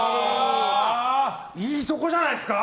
いいところじゃないですか？